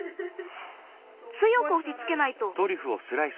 つよくおしつけないと。